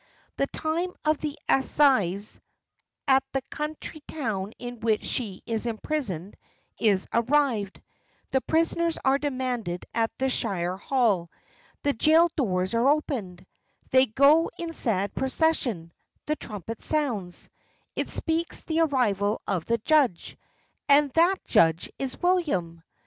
The time of the assizes, at the county town in which she is imprisoned, is arrived the prisoners are demanded at the shire hall the jail doors are opened they go in sad procession the trumpet sounds it speaks the arrival of the judge and that judge is William!